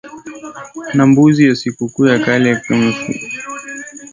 na mbuzi na sikukuu za kale na mifumo ya ukuhani na ya Patakatifu ambavyo